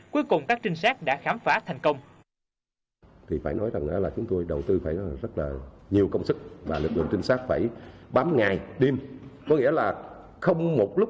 cuối cùng các trinh sát đã khám phá thành công